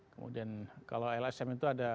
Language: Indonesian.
kemudian kalau lsm itu ada